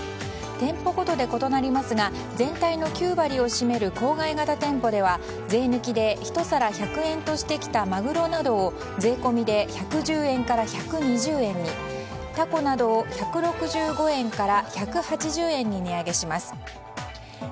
店舗ごとで異なりますが全体の９割を占める郊外型店舗では税抜きで１皿１００円としてきたマグロなどを税込みで１１０円から１２０円にタコなどを１６５円から１８０円に値上げします。